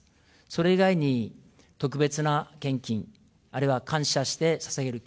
それ以外に特別な献金、あるいは感謝してささげる